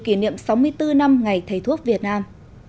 kỷ niệm sáu mươi bốn năm ngày thầy thuốc việt nam